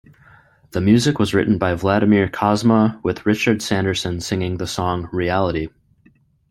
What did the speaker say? The music was written by Vladimir Cosma, with Richard Sanderson singing the song "Reality".